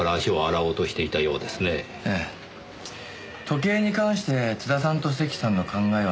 時計に関して津田さんと関さんの考えは水と油。